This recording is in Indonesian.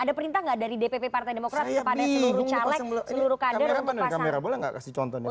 ada perintah gak dari dpp partai demokrat kepada seluruh caleg seluruh kader untuk pasang